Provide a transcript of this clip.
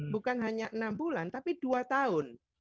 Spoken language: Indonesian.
bukan hanya enam bulan tapi dua tahun